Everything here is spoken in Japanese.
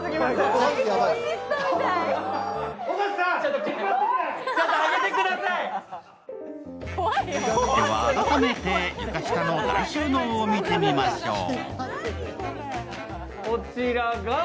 では、改めて床下の大収納を見てみましょう。